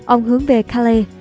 ông hướng về calais